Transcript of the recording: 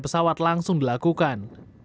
pesawat langsung dilakukan